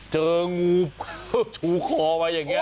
เจองูชูคอมาอย่างนี้